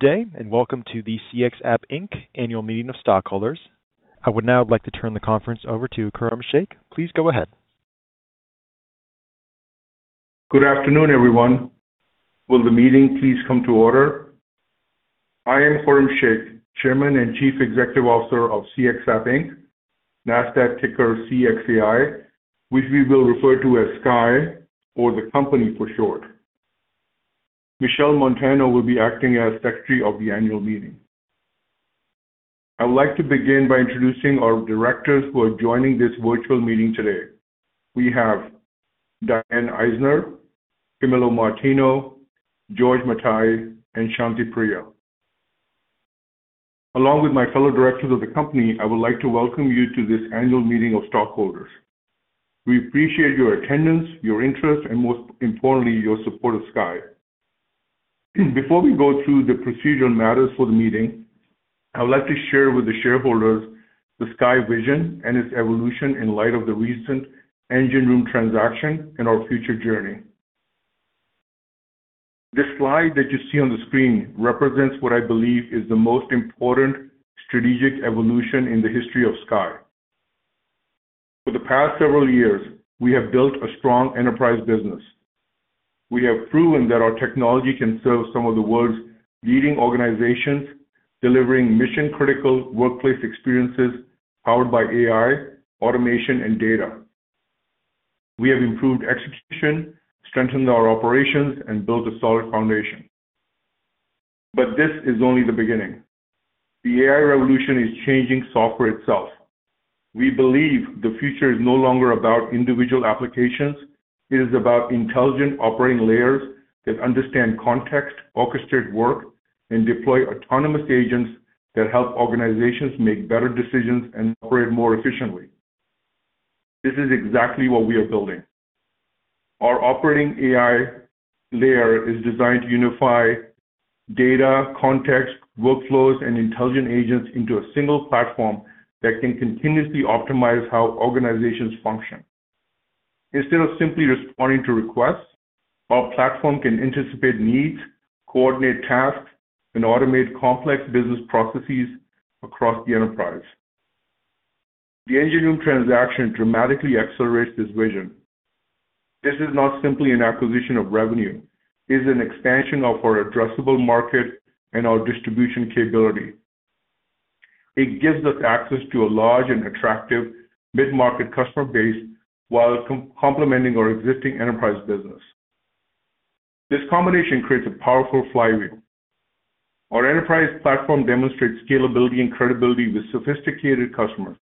Welcome to the CXApp Inc. Annual Meeting of Stockholders. I would now like to turn the conference over to Khurram Sheikh. Please go ahead. Good afternoon, everyone. Will the meeting please come to order? I am Khurram Sheikh, Chairman and Chief Executive Officer of CXApp Inc., Nasdaq ticker CXAI, which we will refer to as SKY or the company for short. Michelle Montano will be acting as Secretary of the annual meeting. I would like to begin by introducing our directors who are joining this virtual meeting today. We have Di-Ann Eisnor, Camillo Martino, George Mathai, and Shanti Priya. Along with my fellow directors of the company, I would like to welcome you to this annual meeting of stockholders. We appreciate your attendance, your interest, and most importantly, your support of SKY. Before we go through the procedural matters for the meeting, I would like to share with the shareholders the SKY vision and its evolution in light of the recent EngineRoom transaction and our future journey. This slide that you see on the screen represents what I believe is the most important strategic evolution in the history of SKY. For the past several years, we have built a strong enterprise business. We have proven that our technology can serve some of the world's leading organizations, delivering mission-critical workplace experiences powered by AI, automation, and data. We have improved execution, strengthened our operations, and built a solid foundation. This is only the beginning. The AI revolution is changing software itself. We believe the future is no longer about individual applications. It is about intelligent operating layers that understand context, orchestrate work, and deploy autonomous agents that help organizations make better decisions and operate more efficiently. This is exactly what we are building. Our operating AI layer is designed to unify data, context, workflows, and intelligent agents into a single platform that can continuously optimize how organizations function. Instead of simply responding to requests, our platform can anticipate needs, coordinate tasks, and automate complex business processes across the enterprise. The EngineRoom transaction dramatically accelerates this vision. This is not simply an acquisition of revenue. It is an expansion of our addressable market and our distribution capability. It gives us access to a large and attractive mid-market customer base while complementing our existing enterprise business. This combination creates a powerful flywheel. Our enterprise platform demonstrates scalability and credibility with sophisticated customers.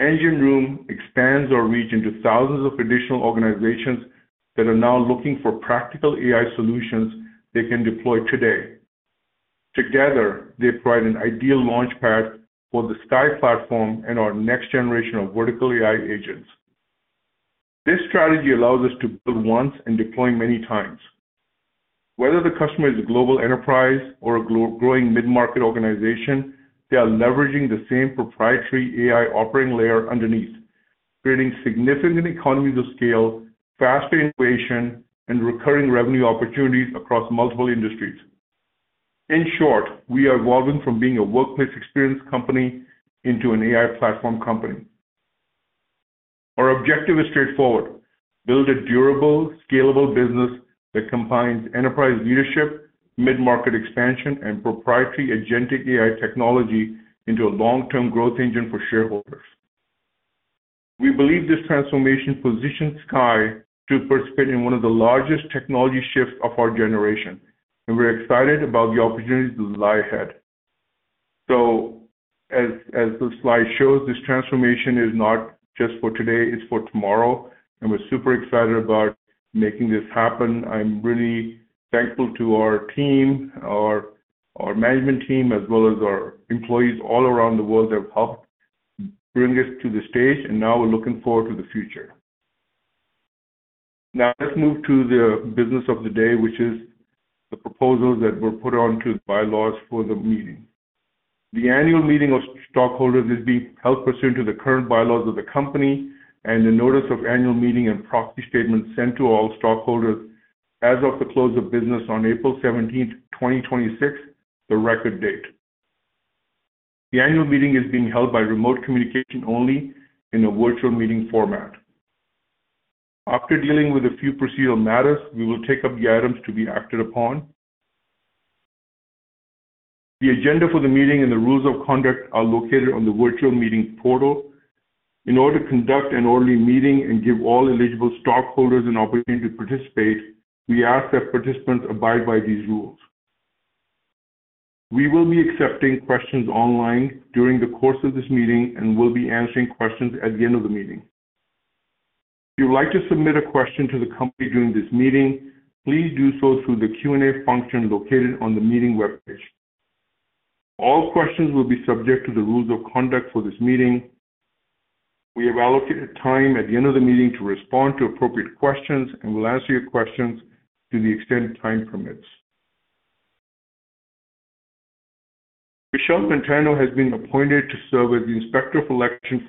EngineRoom expands our reach into thousands of additional organizations that are now looking for practical AI solutions they can deploy today. Together, they provide an ideal launchpad for the SKY platform and our next generation of vertical AI agents. This strategy allows us to build once and deploy many times. Whether the customer is a global enterprise or a growing mid-market organization, they are leveraging the same proprietary AI operating layer underneath, creating significant economies of scale, faster innovation, and recurring revenue opportunities across multiple industries. In short, we are evolving from being a workplace experience company into an AI platform company. Our objective is straightforward. Build a durable, scalable business that combines enterprise leadership, mid-market expansion, and proprietary agentic AI technology into a long-term growth engine for shareholders. We believe this transformation positions SKY to participate in one of the largest technology shifts of our generation, and we're excited about the opportunities that lie ahead. As this slide shows, this transformation is not just for today, it's for tomorrow, and we're super excited about making this happen. I'm really thankful to our team, our management team, as well as our employees all around the world that have helped bring it to this stage, and now we're looking forward to the future. Let's move to the business of the day, which is the proposals that were put onto the bylaws for the meeting. The annual meeting of stockholders is being held pursuant to the current bylaws of the company and the notice of annual meeting and proxy statement sent to all stockholders as of the close of business on April 17th, 2026, the record date. The annual meeting is being held by remote communication only in a virtual meeting format. After dealing with a few procedural matters, we will take up the items to be acted upon. The agenda for the meeting and the rules of conduct are located on the virtual meeting portal. In order to conduct an orderly meeting and give all eligible stockholders an opportunity to participate, we ask that participants abide by these rules. We will be accepting questions online during the course of this meeting and will be answering questions at the end of the meeting. If you would like to submit a question to the company during this meeting, please do so through the Q&A function located on the meeting webpage. All questions will be subject to the rules of conduct for this meeting. We have allocated time at the end of the meeting to respond to appropriate questions and will answer your questions to the extent time permits. Michelle Montano has been appointed to serve as the Inspector of Election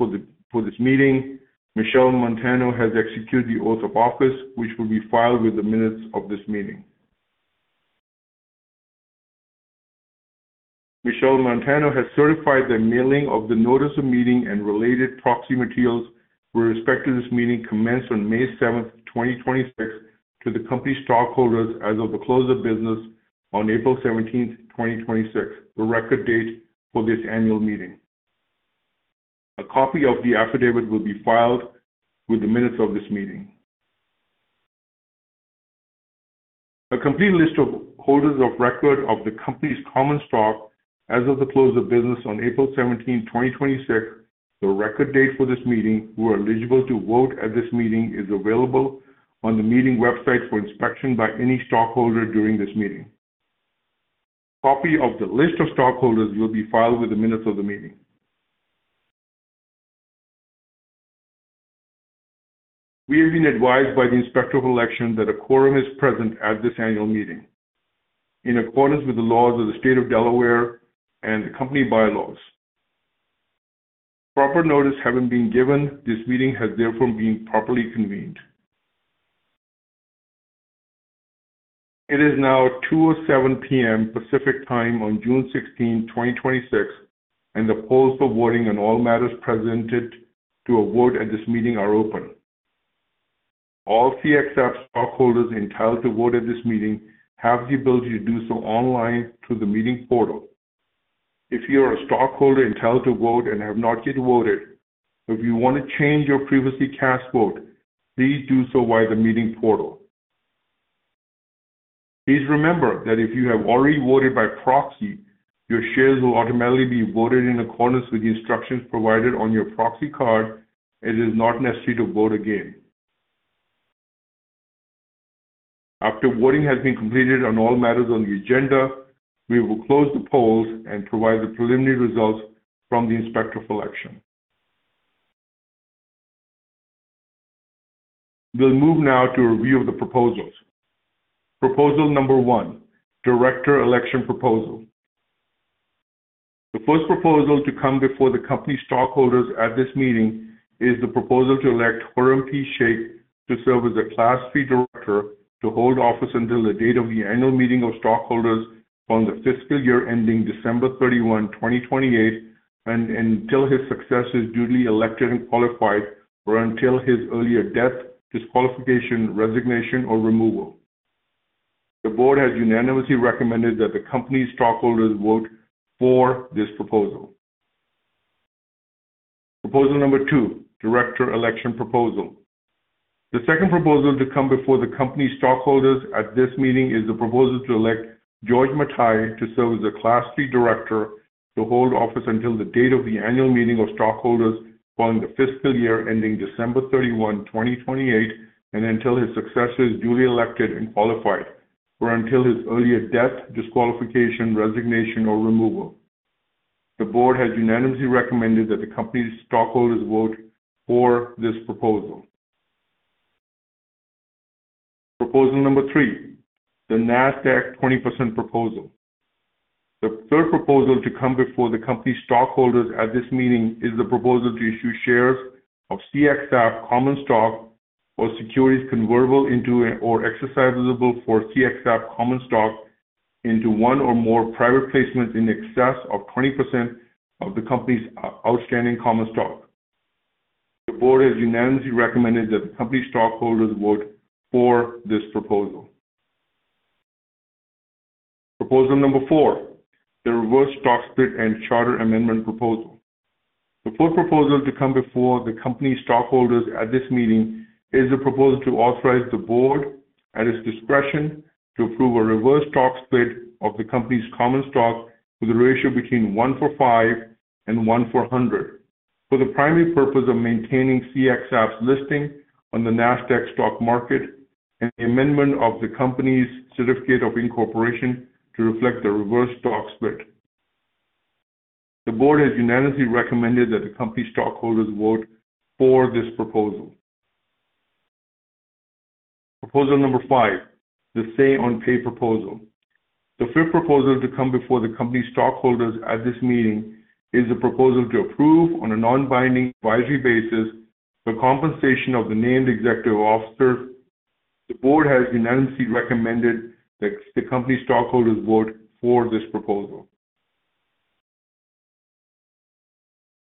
for this meeting. Michelle Montano has executed the oath of office, which will be filed with the minutes of this meeting. Michelle Montano has certified the mailing of the notice of meeting and related proxy materials with respect to this meeting commenced on May 7th, 2026, to the company stockholders as of the close of business on April 17th, 2026, the record date for this annual meeting. A copy of the affidavit will be filed with the minutes of this meeting. A complete list of holders of record of the company's common stock as of the close of business on April 17, 2026, the record date for this meeting, who are eligible to vote at this meeting is available on the meeting website for inspection by any stockholder during this meeting. A copy of the list of stockholders will be filed with the minutes of the meeting. We have been advised by the Inspector of Election that a quorum is present at this annual meeting. In accordance with the laws of the state of Delaware and the company bylaws. Proper notice having been given, this meeting has therefore been properly convened. It is now 2:07 P.M. Pacific Time on June 16, 2026, and the polls for voting on all matters presented to a vote at this meeting are open. All CXApp stockholders entitled to vote at this meeting have the ability to do so online through the meeting portal. If you are a stockholder entitled to vote and have not yet voted, or if you want to change your previously cast vote, please do so via the meeting portal. Please remember that if you have already voted by proxy, your shares will automatically be voted in accordance with the instructions provided on your proxy card, and it is not necessary to vote again. After voting has been completed on all matters on the agenda, we will close the polls and provide the preliminary results from the Inspector of Election. We will move now to a review of the proposals. Proposal Number one: Director Election Proposal. The first proposal to come before the company stockholders at this meeting is the proposal to elect Khurram P. Sheikh to serve as a Class C director to hold office until the date of the annual meeting of stockholders on the fiscal year ending December 31, 2028, and until his successor is duly elected and qualified, or until his earlier death, disqualification, resignation, or removal. The board has unanimously recommended that the company's stockholders vote for this proposal. Proposal Number two: Director Election Proposal. The second proposal to come before the company stockholders at this meeting is the proposal to elect George Mathai to serve as a Class C director to hold office until the date of the annual meeting of stockholders following the fiscal year ending December 31, 2028, and until his successor is duly elected and qualified, or until his earlier death, disqualification, resignation, or removal. The board has unanimously recommended that the company's stockholders vote for this proposal. Proposal Number three: The Nasdaq 20% Proposal. The third proposal to come before the company stockholders at this meeting is the proposal to issue shares of CXApp common stock or securities convertible into or exercisable for CXApp common stock into one or more private placements in excess of 20% of the company's outstanding common stock. The board has unanimously recommended that the company's stockholders vote for this proposal. Proposal Number four: The Reverse Stock Split and Charter Amendment Proposal. The fourth proposal to come before the company stockholders at this meeting is a proposal to authorize the board, at its discretion, to approve a reverse stock split of the company's common stock with a ratio between one for five and one for 100, for the primary purpose of maintaining CXApp's listing on the Nasdaq stock market and the amendment of the company's certificate of incorporation to reflect the reverse stock split. The board has unanimously recommended that the company stockholders vote for this proposal. Proposal Number five: The Say on Pay Proposal. The fifth proposal to come before the company stockholders at this meeting is a proposal to approve on a non-binding advisory basis the compensation of the named executive officer. The board has unanimously recommended that the company stockholders vote for this proposal.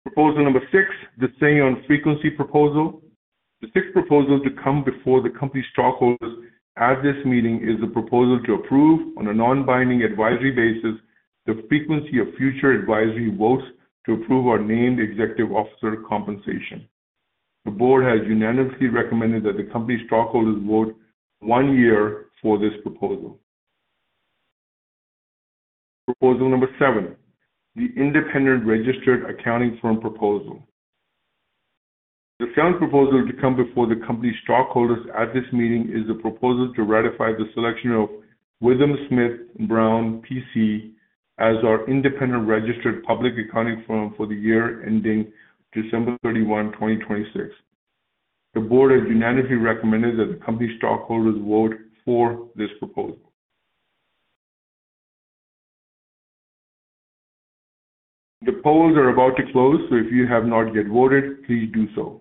Proposal Number 6: The Say on Frequency Proposal. The sixth proposal to come before the company stockholders at this meeting is a proposal to approve on a non-binding advisory basis the frequency of future advisory votes to approve our named executive officer compensation. The board has unanimously recommended that the company stockholders vote one year for this proposal. Proposal Number 7: The Independent Registered Accounting Firm Proposal. The seventh proposal to come before the company stockholders at this meeting is a proposal to ratify the selection of WithumSmith+Brown, PC as our independent registered public accounting firm for the year ending December 31, 2026. The board has unanimously recommended that the company's stockholders vote for this proposal. The polls are about to close. If you have not yet voted, please do so.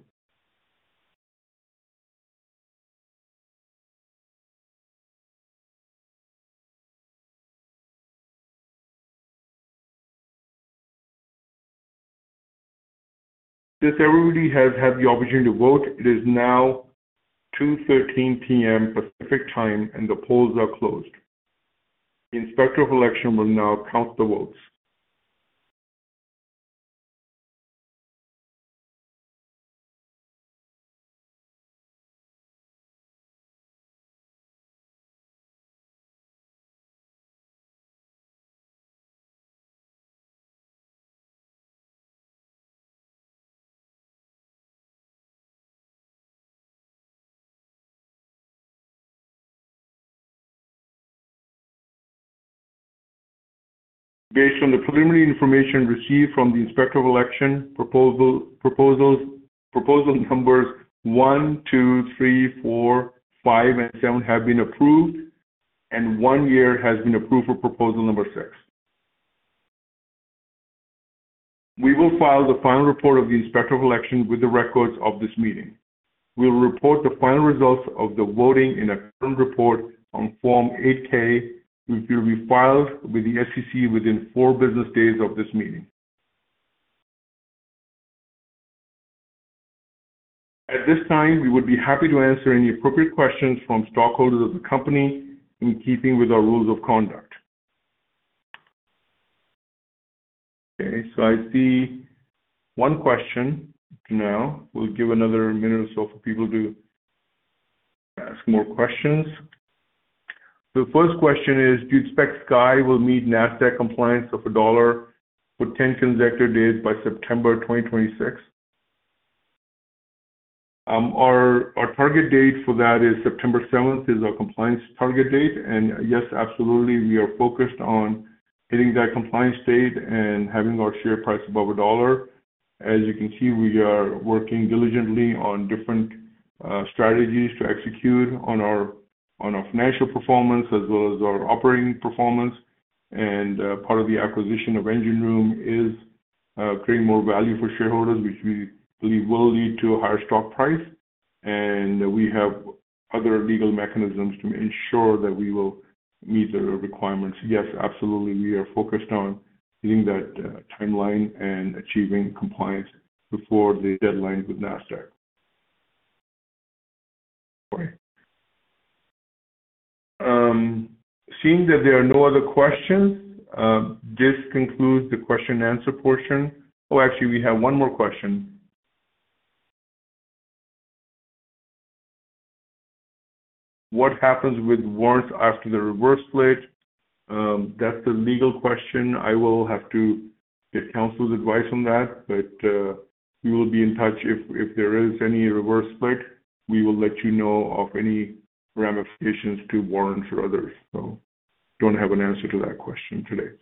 Since everybody has had the opportunity to vote, it is now 2:13 P.M. Pacific Time. The polls are closed. The Inspector of Election will now count the votes. Based on the preliminary information received from the Inspector of Election, proposal numbers 1, 2, 3, 4, 5, and 7 have been approved. One year has been approved for proposal number 6. We will file the final report of the Inspector of Election with the records of this meeting. We will report the final results of the voting in a current report on Form 8-K, which will be filed with the SEC within four business days of this meeting. At this time, we would be happy to answer any appropriate questions from stockholders of the company in keeping with our rules of conduct. I see one question now. We'll give another minute or so for people to ask more questions. The first question is, "Do you expect SKY will meet Nasdaq compliance of $1 for 10 consecutive days by September 2026?" Our target date for that is September 7th, is our compliance target date. Yes, absolutely, we are focused on hitting that compliance date and having our share price above $1. As you can see, we are working diligently on different strategies to execute on our financial performance as well as our operating performance. Part of the acquisition of EngineRoom is creating more value for shareholders, which we believe will lead to a higher stock price. We have other legal mechanisms to ensure that we will meet the requirements. Yes, absolutely. We are focused on hitting that timeline and achieving compliance before the deadline with Nasdaq. Seeing that there are no other questions, this concludes the question and answer portion. Actually, we have one more question. "What happens with warrants after the reverse split?" That's a legal question. I will have to get counsel's advice on that. We will be in touch if there is any reverse split. We will let you know of any ramifications to warrants or others. Don't have an answer to that question today.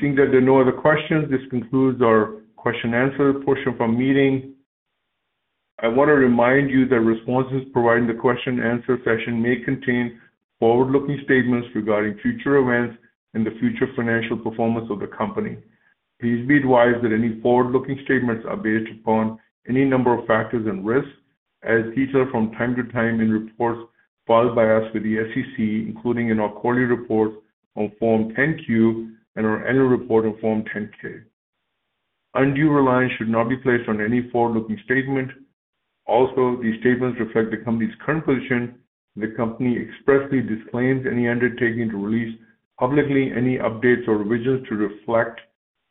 Seeing that there are no other questions, this concludes our question and answer portion of our meeting. I want to remind you that responses provided in the question and answer session may contain forward-looking statements regarding future events and the future financial performance of the company. Please be advised that any forward-looking statements are based upon any number of factors and risks as detailed from time to time in reports filed by us with the SEC, including in our quarterly report on Form 10-Q and our annual report on Form 10-K. Undue reliance should not be placed on any forward-looking statement. These statements reflect the company's current position. The company expressly disclaims any undertaking to release publicly any updates or revisions to reflect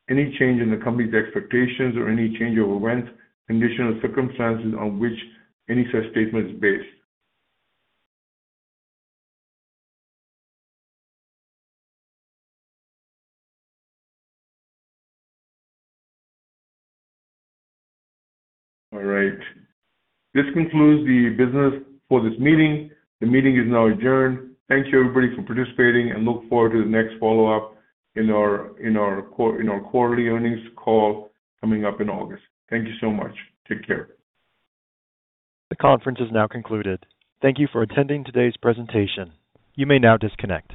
any change in the company's expectations or any change in events, conditions, or circumstances on which any such statement is based. All right. This concludes the business for this meeting. The meeting is now adjourned. Thank you, everybody, for participating, and look forward to the next follow-up in our quarterly earnings call coming up in August. Thank you so much. Take care. The conference has now concluded. Thank you for attending today's presentation. You may now disconnect.